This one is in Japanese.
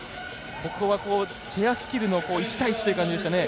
ここは、チェアスキルの１対１という感じでしたね。